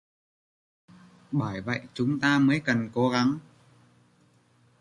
bởi vậy chúng ta mới cần cố gắng